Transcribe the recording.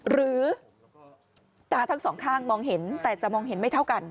หรือตาทั้งสองข้างมองเห็นแต่จะมองเห็นไม่เท่ากัน